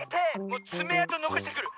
もうつめあとのこしてくる！